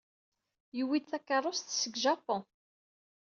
Yuwey-d takeṛṛust seg Japun.